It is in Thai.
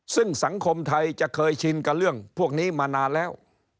ซึ่งสังคมไทยจะเคยชินกับเรื่องพวกนี้มานานแล้ว